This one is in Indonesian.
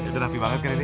udah rapi banget kan ini